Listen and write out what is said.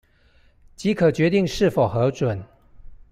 即可決定是否核准